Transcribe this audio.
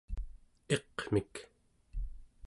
iqmik